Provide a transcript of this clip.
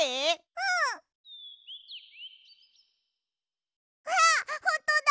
うん！あっほんとだ！